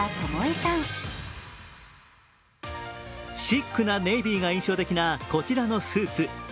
シックなネイビーが印象的なこちらのスーツ。